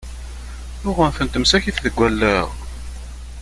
Uɣen-tent msakit deg allaɣ!